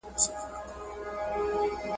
زدهکوونکي د ښوونځي ښووني ته ژمن دي.